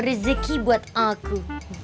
rezeki buat aku